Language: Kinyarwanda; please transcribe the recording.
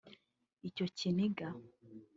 Icyo kiniga